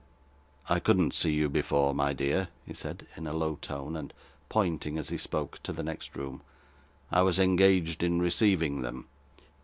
'I couldn't see you before, my dear,' he said, in a low tone, and pointing, as he spoke, to the next room. 'I was engaged in receiving them.